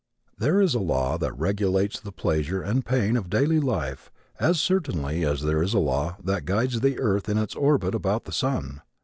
There is a law that regulates the pleasure and pain of daily life as certainly as there is a law that guides the earth in its orbit about the sun.